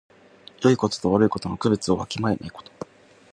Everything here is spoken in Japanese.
よいことと悪いことの区別をわきまえないこと。